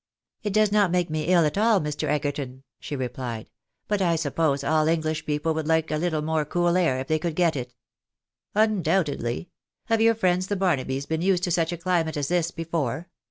" It does not make me ill at all, Mr. Egerton," she replied ;" but I suppose all English people would like a little more cool air if they could get it." " Undoubtedly. Have your friends the Barnabys been used to such a climate as this before